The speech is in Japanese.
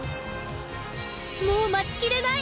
もう待ちきれない！